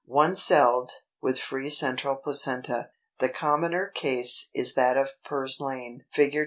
] 311. =One celled, with free Central Placenta.= The commoner case is that of Purslane (Fig.